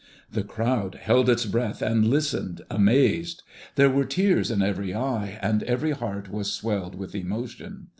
The crowd held its breath and listened, amazed. There were tears in every eye, and every heart was swelled with emotion.